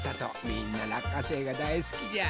みんならっかせいがだいすきじゃ。